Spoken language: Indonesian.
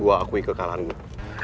gua akui kekalahan gua